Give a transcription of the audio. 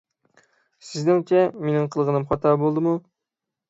سىزنىڭچە، مېنىڭ قىلغىنىم خاتا بولدىمۇ؟